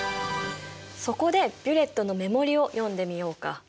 そこでビュレットの目盛りを読んでみようか。